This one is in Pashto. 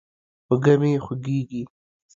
اوږه مې خوږېږي.